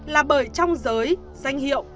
là bởi trong giới danh hiệu